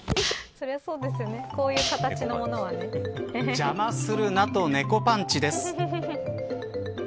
邪魔するなと猫パンチです。